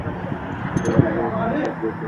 শহরটি ভিয়েতনাম যুদ্ধের প্রধান কেন্দ্র ছিল।